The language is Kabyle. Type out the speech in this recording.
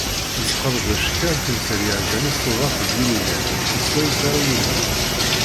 Nesqerdec kra n temsal yerzan isuḍaf d yilugan i swayes ara yelḥu.